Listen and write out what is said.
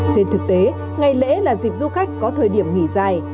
trên thực tế ngày lễ là dịp du khách có thời điểm nghỉ dài